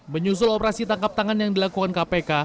menyusul operasi tangkap tangan yang dilakukan kpk